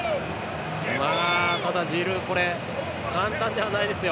ただ、ジルーこれは簡単ではないですよ。